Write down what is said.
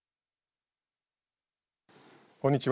こんにちは。